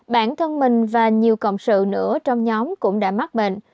bản thân mình và nhiều cộng sự nữa trong nhóm cũng đã mắc bệnh